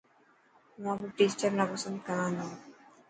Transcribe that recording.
هون آپري ٽيچر نا پسند ڪران ٿو.